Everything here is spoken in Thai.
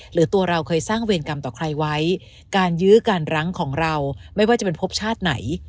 หรือตัวเราเคยสร้างเวรกรรมต่อใครไว้การยื้อการรั้งของเราไม่ว่าจะเป็นพบชาติไหน